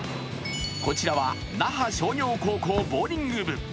こちらは那覇商業高校ボウリング部。